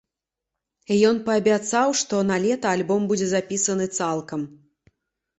Ён паабяцаў, што налета альбом будзе запісаны цалкам.